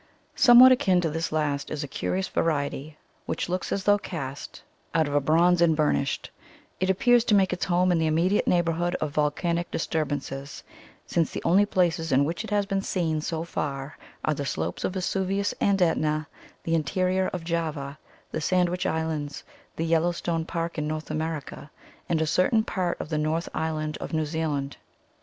''Somewhat akin to this last is a curious variety which looks as though cast out of 191 THE COMING OF THE FAIRIES bronze and burnished; it appears to make its home in the immediate neighbourhood of volcanic disturbances, since the only places in which it has been seen so far are the slopes of Vesuvius and Etna, the interior of Java, the Sandwich Islands, the Yellow stone Park in North America, and a certain part of the North Island of New Zealand.